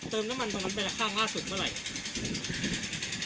เติมน้ำมันตรงนั้นไปละข้างล่าสุดเมื่อไหร่